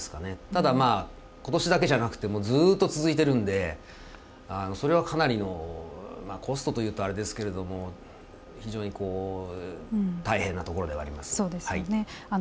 ただ、今年だけじゃなくてずっと続いているんでそれはかなりのコストというとあれですけど非常に大変なところではあります。